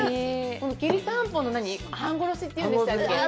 このきりたんぽの半殺しって言うんでしたっけ？